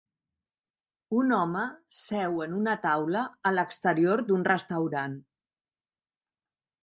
Un home seu en una taula a l'exterior d'un restaurant.